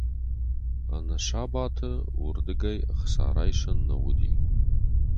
Ӕнӕ сабаты уырдыгӕй ӕхца райсӕн нӕ уыди.